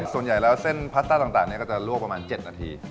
ส่วนใหญ่แล้วเส้นพาสต้าต่างก็จะลวกประมาณ๗นาที